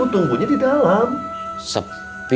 kamu ngapain disitu